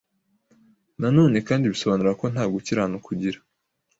Nanone kandi bisobanura ko nta gukiranuka ugira